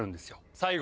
最後